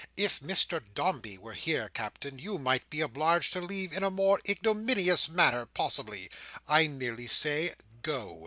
If Mr Dombey were here, Captain, you might be obliged to leave in a more ignominious manner, possibly. I merely say, Go!"